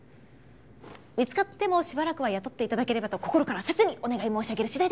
見つかってもしばらくは雇って頂ければと心から切にお願い申し上げる次第でございます。